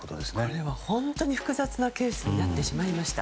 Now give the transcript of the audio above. これは本当に複雑なケースになってしまいました。